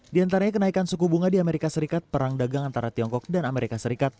di antaranya kenaikan suku bunga di amerika serikat perang dagang antara tiongkok dan amerika serikat